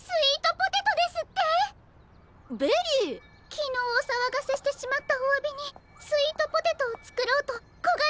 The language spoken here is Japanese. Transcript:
きのうおさわがせしてしまったおわびにスイートポテトをつくろうとコガネイモをかってきましたの。